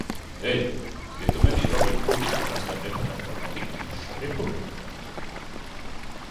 Ei, ja tu medī Robinu Hudiju, vai tas tevi nepadara par Notinghemas šerifu?